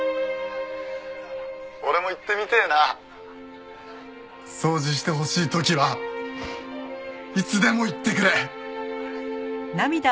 「俺も言ってみてえな」掃除してほしい時はいつでも言ってくれ！